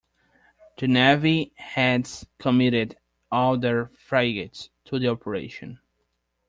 The Navy has committed all their frigates to the operation.